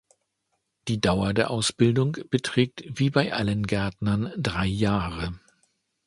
Die Dauer der Ausbildung beträgt wie bei allen Gärtnern drei Jahre.